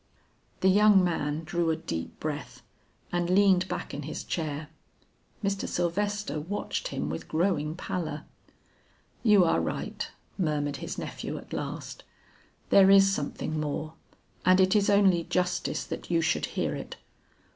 The young man drew a deep breath and leaned back in his chair. Mr. Sylvester watched him with growing pallor. "You are right," murmured his nephew at last; "there is something more, and it is only justice that you should hear it.